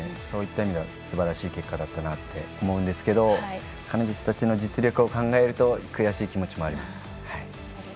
そういった意味ではすばらしい結果だったなと思いますけど彼女たちの実力を考えると悔しい気持ちもあります。